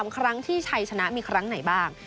๓ครั้งที่ชัยชนะมีครั้งไหนบ้าง